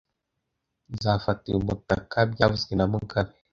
Nzafata uyu mutaka byavuzwe na mugabe